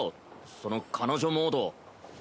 その彼女モード。